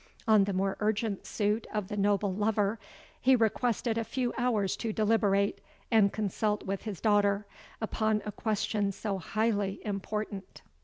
On the more urgent suit of the noble lover, he requested a few hours to deliberate and consult with his daughter, upon a question so highly important.